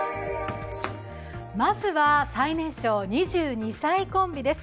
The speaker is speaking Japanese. まずは最年少２２歳コンビです。